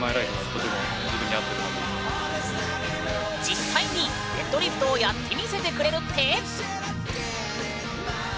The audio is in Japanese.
実際にデッドリフトをやってみせてくれるって！